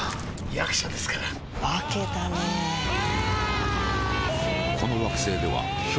役者ですから化けたねうわーーー！